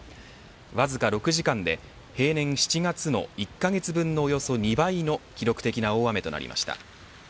わずか６時間で、平年７月の１カ月分のおよそ２倍の記録的な大雨となりました。